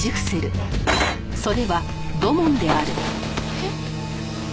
えっ？